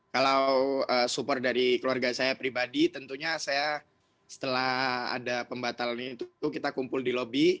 kalau support dari keluarga saya pribadi tentunya saya setelah ada pembatalan itu kita kumpul di lobi